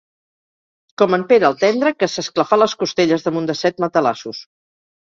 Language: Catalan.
Com en Pere el tendre, que s'esclafà les costelles damunt de set matalassos.